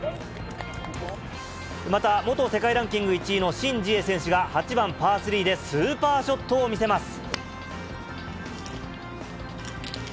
また元世界ランキング１位のシン・ジエ選手が、８番パー３でスーパーショットを見せます。